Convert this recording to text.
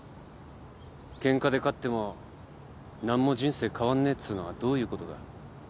ケンカで勝っても何も人生変わんねえっつうのはどういうことだ？